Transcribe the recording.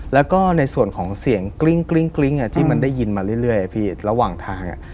แล้วก็ในส่วนของเสียงกลิ้งอ่ะที่มันได้ยินมาเรื่อยพี่ระหว่างทางอ่ะ